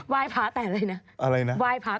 วายพระแต่อะไรน่ะ